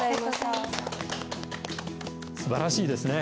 すばらしいですね。